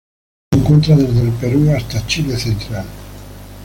Se encuentra desde el Perú hasta Chile central.